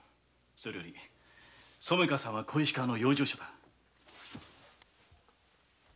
それより染香さんは小石川の養生所だ。